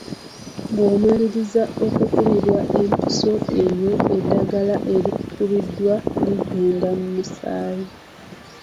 Bw'omaliriza okukubibwa empiso eyo eddagala erikukubiddwa ligenda mu musaayi.